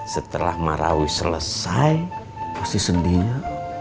setelah marawi selesai pasti sedihnya